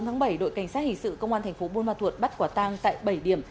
ngày bốn bảy đội cảnh sát hình sự công an tp buôn ma thuột bắt quả tang tại bảy điểm